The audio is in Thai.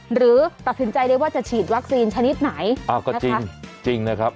หรือตัดสินใจเลยว่าจะฉีดวัคซีนชนิดไหนอ้าวก็จริงจริงนะครับ